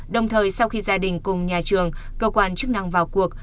đồng thời sau khi gia đình cùng nhà trường cơ quan chức năng vào cuộc